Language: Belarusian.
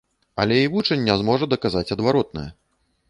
Але і вучань не зможа даказаць адваротнае.